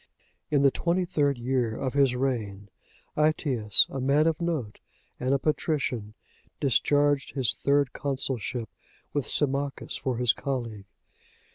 In the twenty third year of his reign, Aetius,(81) a man of note and a patrician, discharged his third consulship with Symmachus for his colleague.